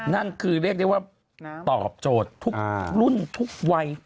นั่นคือเรียกได้ว่าตอบโจทย์ทุกรุ่นทุกวัย